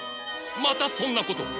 またそんなことを！